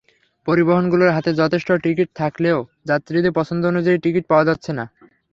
পরিবহনগুলোর হাতে যথেষ্ট টিকিট থাকলেও যাত্রীদের পছন্দ অনুযায়ী টিকিট পাওয়া যাচ্ছে না।